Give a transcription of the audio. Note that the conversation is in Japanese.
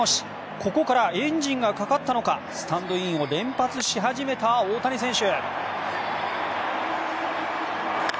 ここからエンジンがかかったのかスタンドインを連発し始めた大谷選手。